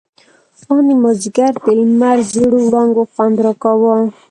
ان د مازديګر د لمر زېړو وړانګو خوند راکاوه.